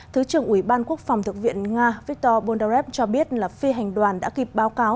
thứ trưởng ủy ban quốc phòng thực viện nga viktor bondarev cho biết là phi hành đoàn đã kịp báo cáo